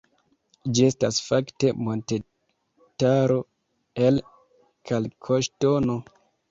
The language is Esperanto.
Ĝi estas fakte montetaro, el kalkoŝtono.